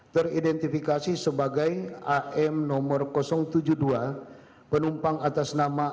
teridentifikasi sebagai am nomor tujuh puluh dua penumpang atas nama